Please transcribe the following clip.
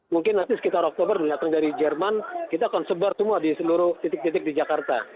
mungkin nanti sekitar oktober datang dari jerman kita akan sebar semua di seluruh titik titik di jakarta